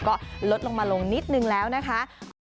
ก็ลดลงมาลงนิดนึงแล้วนะคะ